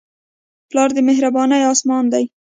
پلار د مهربانۍ اسمان دی.